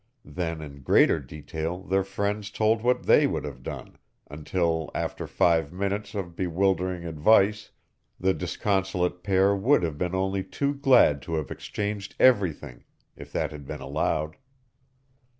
Then in greater detail their friends told what they would have done, until after five minutes of bewildering advice the disconsolate pair would have been only too glad to have exchanged everything if that had been allowed.